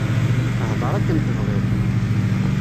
Hder akken tebɣiḍ.